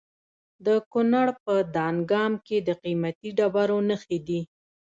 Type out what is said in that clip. د کونړ په دانګام کې د قیمتي ډبرو نښې دي.